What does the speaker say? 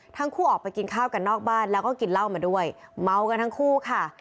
ทั้งคู่ออกไปกินข้าวกันนอกบ้านแล้วก็กินเหล้ามาด้วยเมากันทั้งคู่ค่ะ